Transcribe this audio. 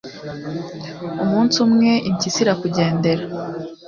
umunsi umwe, impyisi irakugendera